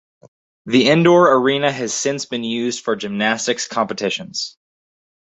The indoor arena has since been used for gymnastics competitions.